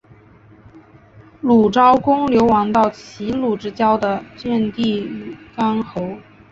鲁昭公流亡到齐鲁之交的郓地和干侯。